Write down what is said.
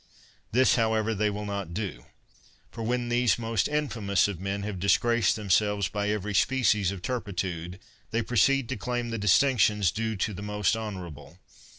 This, however, they will not do; for when these most infamous of men have disgraced themselves by every species of turpitude, they proceed to claim the dis tinctions due to the most honorable.